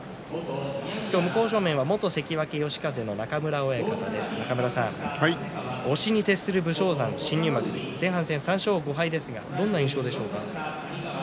向正面は元関脇嘉風の中村親方です、中村さん押しに徹する武将山前半戦、３勝５敗ですがどんな印象ですか？